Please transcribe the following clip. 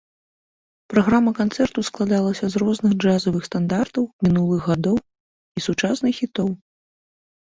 Праграма канцэрту складалася з розных джазавых стандартаў мінулых гадоў і сучасных хітоў.